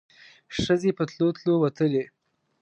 ښځې په تلو تلو وتلې.